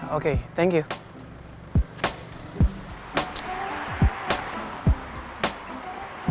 oke terima kasih